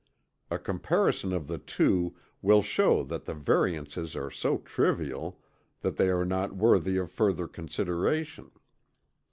A comparison of the two will show that the variances are so trivial that they are not worthy of further consideration.